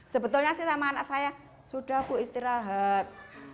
sebetulnya sih sama anak saya sudah bu istirahat